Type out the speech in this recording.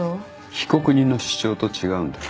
被告人の主張と違うんだよ。